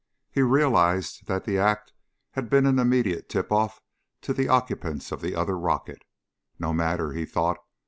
He realized that the act had been an immediate tip off to the occupants of the other rocket. No matter, he thought.